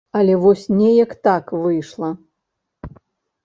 Але вось неяк так выйшла.